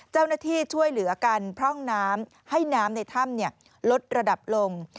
เจ้าหน้าที่ช่วยเหลือกันพร่องน้ำให้น้ำในถ้ำลดระดับลง